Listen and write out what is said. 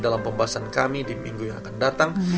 dalam pembahasan kami di minggu yang akan datang